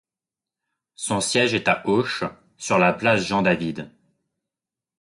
Son siège est à Auch sur la place Jean David.